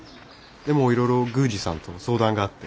でもいろいろ宮司さんと相談があって。